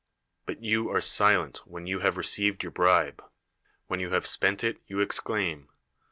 But you are silent Avlien you have re ceived your bribe ; when you have sp<?nt it you exclaim.